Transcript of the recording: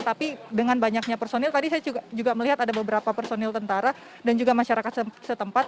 tapi dengan banyaknya personil tadi saya juga melihat ada beberapa personil tentara dan juga masyarakat setempat